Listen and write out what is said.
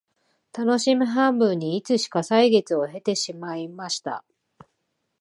たのしみ半分にいつしか歳月を経てしまいました